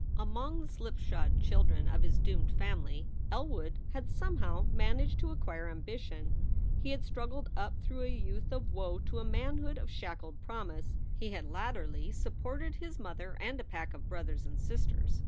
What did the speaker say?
Among the slipshod children of his doomed family Elwood had somehow managed to acquire ambition. He had strug gled up through a youth of woe to a manhood of shackled promise. He had latterly supported his mother and a pack of brothers and sisters.